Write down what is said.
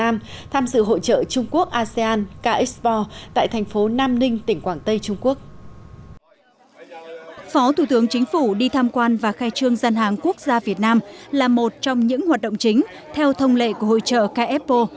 phó thủ tướng chính phủ đi tham quan và khai trương gian hàng quốc gia việt nam là một trong những hoạt động chính theo thông lệ của hội trợ kfo